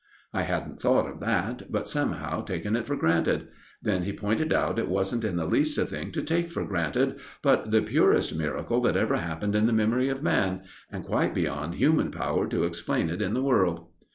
I hadn't thought of that, but somehow taken it for granted. Then he pointed out it wasn't in the least a thing to take for granted, but the purest miracle that ever happened in the memory of man, and quite beyond human power to explain it in the world.